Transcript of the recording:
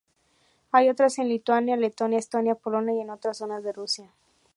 Hay otras en Lituania, Letonia, Estonia, Polonia y en otras zonas de Rusia.